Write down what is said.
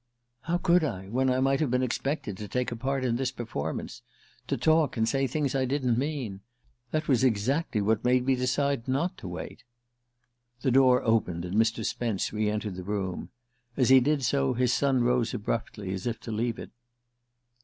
"How could I, when I might have been expected to take a part in this performance? To talk, and say things I didn't mean? That was exactly what made me decide not to wait." The door opened and Mr. Spence re entered the room. As he did so his son rose abruptly as if to leave it.